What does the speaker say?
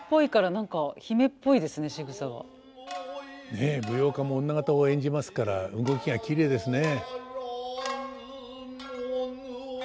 ねえ舞踊家も女方を演じますから動きがきれいですね。